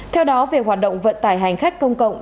theo đó về hoạt động vận tải hành khách công cộng